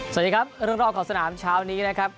สวัสดีครับเรื่องรอบขอบสนามเช้านี้นะครับ